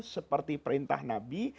seperti perintah nabi